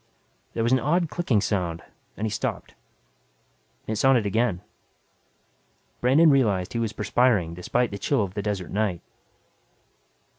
There was an odd clicking sound and he stopped. It sounded again. Brandon realized he was perspiring despite the chill of the desert night.